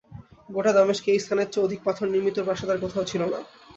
গোটা দামেশকে এই স্থানের চেয়ে অধিক পাথর নির্মিত প্রাসাদ আর কোথাও ছিল না।